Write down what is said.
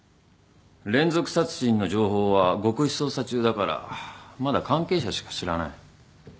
連続殺人の情報は極秘捜査中だからまだ関係者しか知らない。